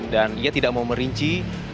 dan ia tidak mau merinci